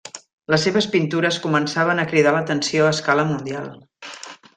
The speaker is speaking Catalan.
Les seves pintures començaven a cridar l'atenció a escala mundial.